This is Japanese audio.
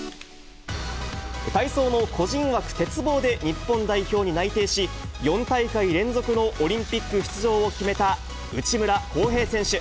体操の個人枠、鉄棒で日本代表に内定し、４大会連続のオリンピック出場を決めた内村航平選手。